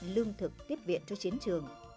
lương thực tiếp viện cho chiến trường